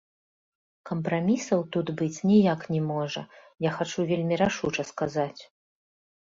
Кампрамісаў тут быць ніяк не можа, я хачу вельмі рашуча сказаць.